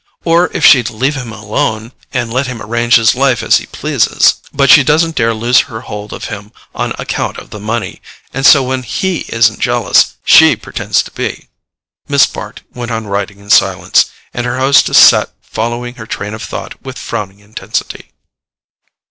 Or if she'd leave him alone, and let him arrange his life as he pleases. But she doesn't dare lose her hold of him on account of the money, and so when HE isn't jealous she pretends to be." Miss Bart went on writing in silence, and her hostess sat following her train of thought with frowning intensity.